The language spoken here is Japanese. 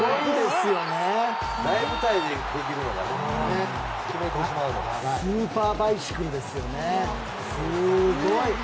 すごい。